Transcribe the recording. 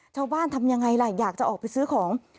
ช่วงบ้านทำอย่างไรล่ะอยากจะออกไปซื้อของ